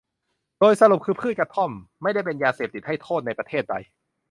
โดยสรุปคือพืชกระท่อม ไม่ได้เป็นยาเสพติดให้โทษในประเทศใด